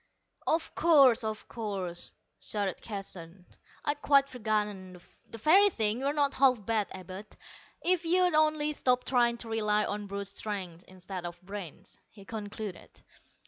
"Of course, of course," shouted Keston, "I'd quite forgotten. The very thing. You're not half bad, Abud, if you'd only stop trying to rely on brute strength instead of brains," he concluded.